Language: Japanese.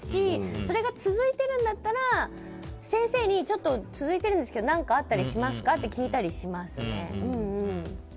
それが続いているんだったら先生にちょっと続いているんですけど何かあったりしますか？って聞いたりしますね。